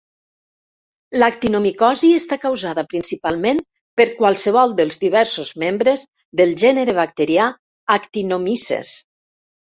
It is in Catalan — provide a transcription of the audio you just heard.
L'actinomicosis està causada principalment per qualsevol dels diversos membres del gènere bacterià "Actinomyces".